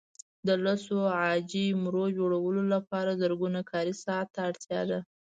د لسو عاجي مرو جوړولو لپاره زرګونه کاري ساعته اړتیا ده.